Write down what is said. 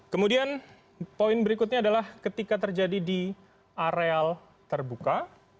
kemudian poin berikutnya adalah ketika terjadi di areal terbuka